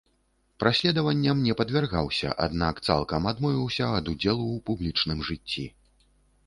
Праследаванням не падвяргаўся, аднак цалкам адмовіўся ад удзелу ў публічным жыцці.